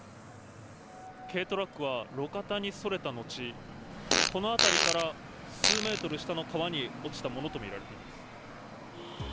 軽トラックは路肩にそれた後、この辺りから、数メートル下の川に落ちたものと見られています。